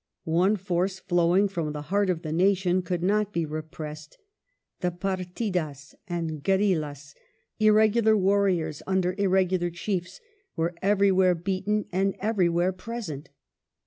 One force, flowing from the heart of the nation, could not be repressed. The partidas and guerillas^ irregular warriors under irregular chiefs, were everywhere beaten and everywhere present.